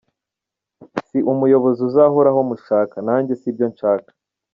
Si umuyobozi uzahoraho mushaka, nanjye sibyo nshaka".